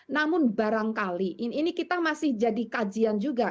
namun barangkali ini kita masih jadi kajian juga